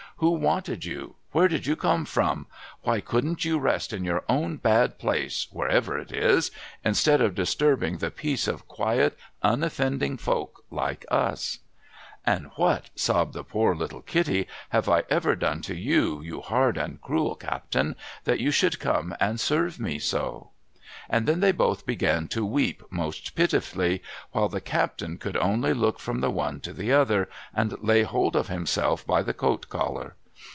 ' W'ho wanted you ? Where did you come from ? Why couldn't you rest in your own bad place, wherever it is, instead of disturbing the peace of quiet unoffending folk like us ?'' And what,' sobbed the poor little Kitty, ' have I ever done to you, you hard and cruel captain, that you should come and serve me so ?' And then they both began to weep most pitifully, while the captain could only look from the one to the other, and lay hold of himself by the coat collar.